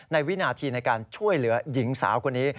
วินาทีในการช่วยเหลือหญิงสาวคนนี้